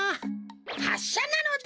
はっしゃなのだ！